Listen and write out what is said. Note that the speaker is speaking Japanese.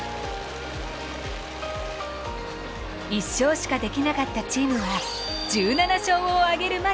１勝しかできなかったチームは１７勝を挙げるまでに。